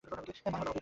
মায়া হল অবিদ্যা।